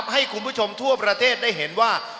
ให้คุณผู้ชมทั่วประเทศได้เห็นว่า